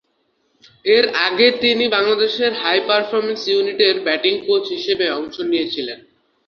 এর আগে তিনি বাংলাদেশের হাই পারফরম্যান্স ইউনিটের ব্যাটিং কোচ হিসাবে অংশ নিয়েছিলেন।